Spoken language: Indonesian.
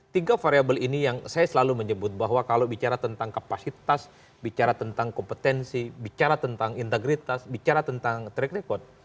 tiga variable ini yang saya selalu menyebut bahwa kalau bicara tentang kapasitas bicara tentang kompetensi bicara tentang integritas bicara tentang track record